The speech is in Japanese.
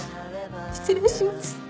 失礼します。